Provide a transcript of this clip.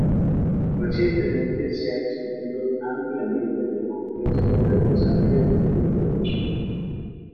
Recientemente se ha discutido ampliamente en el contexto del desarrollo económico en China.